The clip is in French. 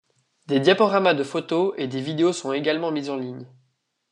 Des diaporamas de photos, et des vidéos sont également mis en ligne.